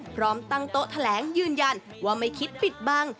พร้อมตั้งโต๊ะแถลงยืนยันว่าไม่คิดปิดบัง